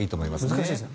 難しいですね。